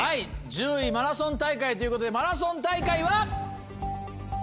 １０位マラソン大会ということでマラソン大会は！